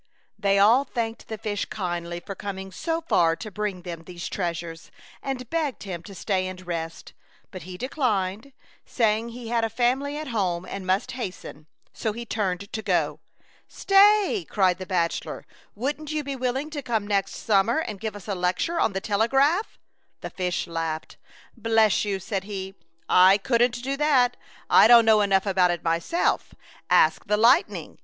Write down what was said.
They all thanked the fish kindly for coming so far to bring them these treasures, and begged him to stay and rest, but he declined, saying he had a farnily at home and must hasten, so he turned to go. 94 ^ Chautauqua Idyl. " Stay !'' cried Bachelor. " Wouldn't you be willing to come next summer and give us a lecture on the tele graph ?" The fish laughed. " Bless you !'' said he, " I couldn't do that. I don't know enough about it myself. Ask the lightning.